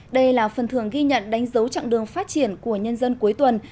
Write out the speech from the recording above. đây là phần thường ghi nhận đánh dấu chặng đường phát triển của nhân dân cuối tuần